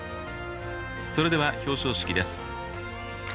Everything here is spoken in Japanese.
それでは表彰式です。